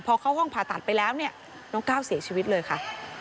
พอเข้าห้องผ่าตัดไปแล้วเนี่ยน้องก้าวเสียชีวิตเลยค่ะ